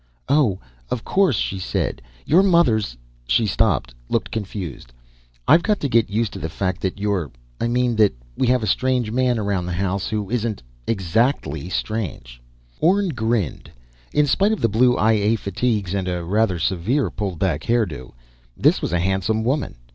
"Oh, of course," she said. "Your mother's " She stopped, looked confused. "I've got to get used to the fact that you're.... I mean that we have a strange man around the house who isn't exactly strange." Orne grinned. In spite of the blue I A fatigues and a rather severe pulled back hairdo, this was a handsome woman.